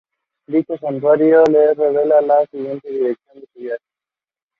It was anchored by Sears, Eaton's, and Loblaws.